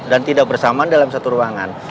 dan tidak bersamaan dalam satu ruangan